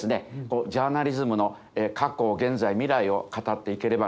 ジャーナリズムの過去現在未来を語っていければなと思っております。